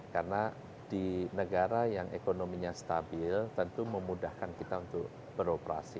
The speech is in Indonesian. karena di negara yang ekonominya stabil tentu memudahkan kita untuk beroperasi